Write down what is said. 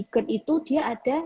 gerd itu dia ada